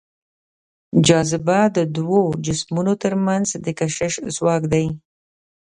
جاذبه د دوو جسمونو تر منځ د کشش ځواک دی.